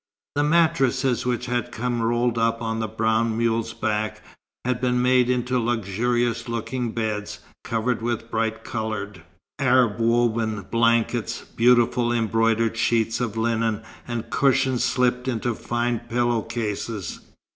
The mattresses which had come rolled up on the brown mule's back, had been made into luxurious looking beds, covered with bright coloured, Arab woven blankets, beautiful embroidered sheets of linen, and cushions slipped into fine pillow cases.